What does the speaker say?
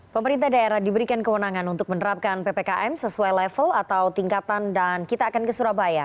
pemerintah daerah diberikan kewenangan untuk menerapkan ppkm sesuai level atau tingkatan dan kita akan ke surabaya